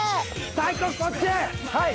大光こっちはい！